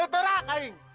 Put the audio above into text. aduh si agan